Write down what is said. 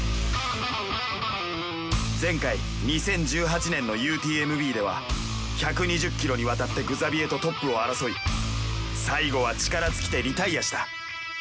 前回２０１８年のＵＴＭＢでは１２０ｋｍにわたってグザビエとトップを争い最後は力尽きてリタイアした。